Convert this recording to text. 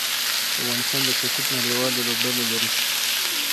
افغانستان د کرکټ نړۍواله لوبډله لري.